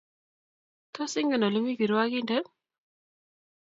Tos ingen ole mi kirwakindet?